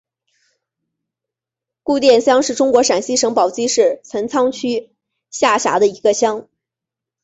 胡店乡是中国陕西省宝鸡市陈仓区下辖的一个乡。